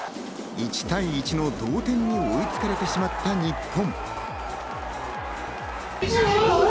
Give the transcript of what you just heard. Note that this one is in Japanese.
１対１の同点に追いつかれてしまった日本。